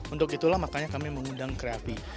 untuk itulah makanya kami mengundang kreati